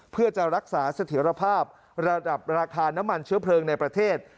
เพื่อจะรักษาเสถียรภาพระดับราคาน้ำมันเชื้อเพลิงในประเทศ